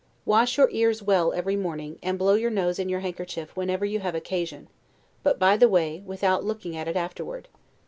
Wash your ears well every morning, and blow your nose in your handkerchief whenever you have occasion; but, by the way, without looking at it afterward.